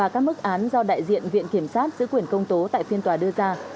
các mức án do đại diện viện kiểm sát giữ quyền công tố tại phiên tòa đưa ra